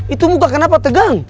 itu muka kenapa tegang